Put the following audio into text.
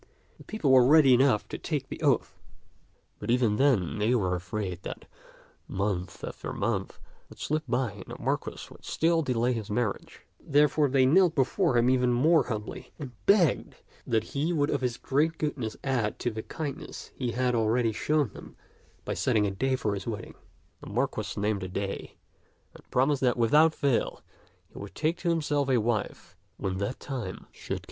The people were ready enough to take the oath ; but even then they were afraid that month after month would slip by and the Marquis would still delay his marriage ; therefore they knelt before him even more humbly and begged that he would of his great goodness add to the kindness he had already shown them by setting a day for his wedding. The Marquis named a day, and promised that without fail he would take to himself a wife when that time t^t CCetr^ tak 141 should come.